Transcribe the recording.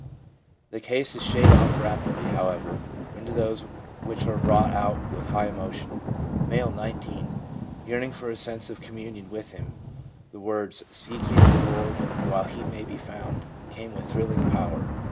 The cases shade off rapidly, however, into those which are wrought out with high emotion. M., 19. * Yearning for a sense of communion with Him, the words, " Seek ye the Lord while he may be found," came with thrilling power.'